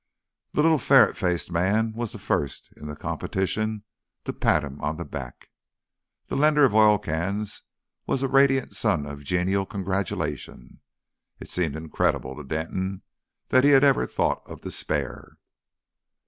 The little ferret faced man was the first in the competition to pat him on the back. The lender of oil cans was a radiant sun of genial congratulation.... It seemed incredible to Denton that he had ever thought of despair.